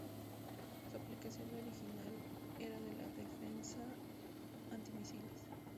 Su aplicación original era la defensa antimisiles.